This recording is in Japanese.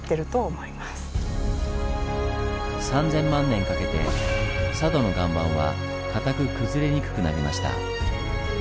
３０００万年かけて佐渡の岩盤はかたく崩れにくくなりました。